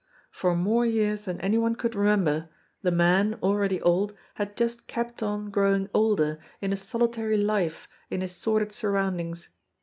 For more years than any one could remember the man, already old, had just kept on growing older in a solitary life in his sordid surroundings.